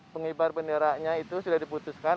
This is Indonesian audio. pengibar benderanya itu sudah diputuskan